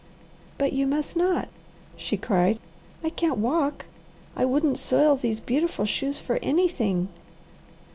"But you must not!" she cried. "I can't walk. I wouldn't soil these beautiful shoes for anything."